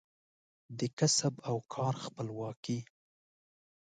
د کسب او کار خپلواکي